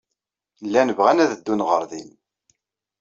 Llan bɣan ad ddun ɣer din.